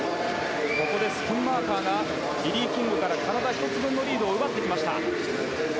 ここでスクンマーカーがリリー・キングから体１つ分のリードを奪いました。